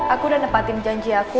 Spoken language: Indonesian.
aku udah nepatin janji aku